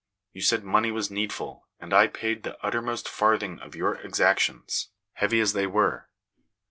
You said money was needful, and I paid the uttermost farthing of your exactions, heavy as they were.